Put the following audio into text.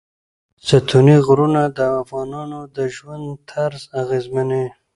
ستوني غرونه د افغانانو د ژوند طرز اغېزمنوي.